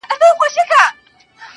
ډبري غورځوې تر شا لاسونه هم نيسې~